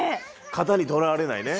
型にとらわれないね。